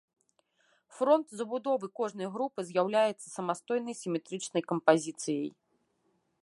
Фронт забудовы кожнай групы з'яўляецца самастойнай сіметрычнай кампазіцыяй.